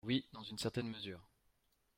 Oui, dans une certaine mesure.